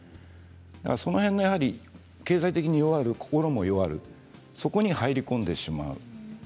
その辺の経済的に弱ると心も弱るそこに入り込んでしまう。